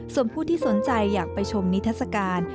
ส่วนผู้ที่สนใจอยากไปชมนิทัศกาล